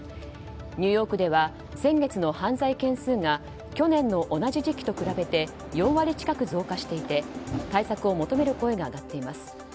ニューヨークでは先月の犯罪件数が去年の同じ時期と比べて４割近く増加していて対策を求める声が上がっています。